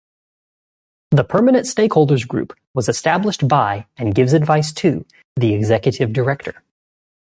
The Permanent Stakeholders Group was established by and gives advice to the Executive Director.